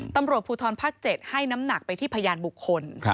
ตำรวจภูทรภาค๗ให้น้ำหนักไปที่พยานบุคคล